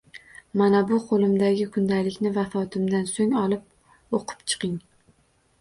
Mana bu qo`limdagi kundalikni vafotimdan so`ng olib, o`qib chiqing